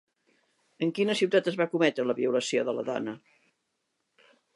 En quina ciutat es va cometre la violació de la dona?